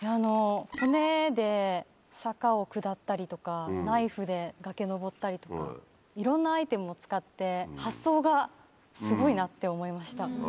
骨で坂を下ったりとかナイフで崖登ったりとかいろんなアイテムを使って。って思いました。